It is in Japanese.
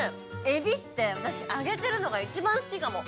エビって私揚げてるのが一番好きかも。